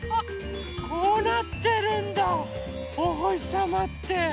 こうなってるんだおほしさまって。